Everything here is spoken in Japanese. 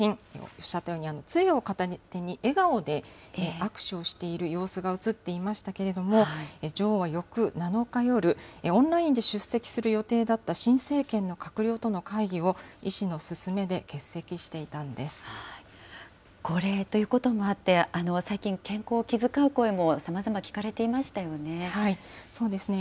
おっしゃったように、つえを片手に、笑顔で握手をしている様子が写っていましたけれども、女王は翌７日夜、オンラインで出席する予定だった新政権の閣僚との会議を、医師の高齢ということもあって、最近、健康を気遣う声もさまざま聞かれていましたよね。